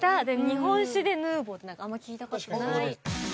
日本酒でヌーヴォーってあんまり聞いたことない。